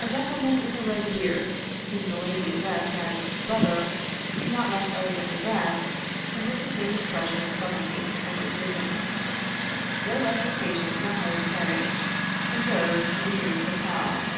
A gentleman with a red beard, whom the lady addressed as " brother," not less elegantly dressed, and with the same expression of subtlety and decision. They left the station in a hired carriage, and drove to Demuth's Hotel.